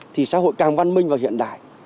thì xã hội càng văn minh và hiện đại